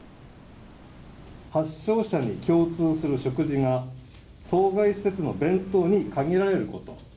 発症者に共通する食事が、当該施設の弁当に限られること。